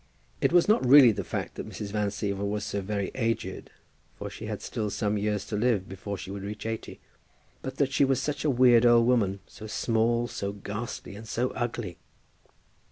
It was not really the fact that Mrs. Van Siever was so very aged, for she had still some years to live before she would reach eighty, but that she was such a weird old woman, so small, so ghastly, and so ugly!